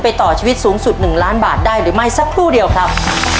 ต่อชีวิตสูงสุด๑ล้านบาทได้หรือไม่สักครู่เดียวครับ